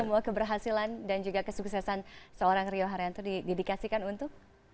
semua keberhasilan dan juga kesuksesan seorang rio haryanto didedikasikan untuk